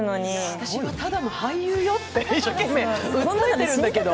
私はただの俳優よって一生懸命訴えるんだけど。